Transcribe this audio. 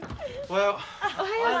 おはよう。